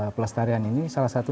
pelestarian ini salah satu